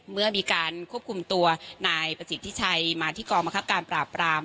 เมื่อมีการควบคุมตัวนายประสิทธิชัยมาที่กองบังคับการปราบราม